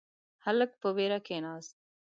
هلک په وېره کښیناست.